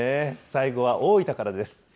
最後は大分からです。